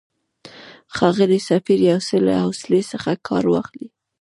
ښاغلی سفیر، یو څه له حوصلې څخه کار واخلئ.